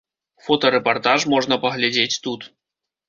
Фотарэпартаж можна паглядзець тут.